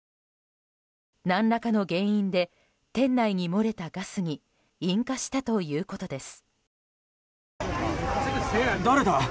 何らかの原因で店内に漏れたガスに引火したということです。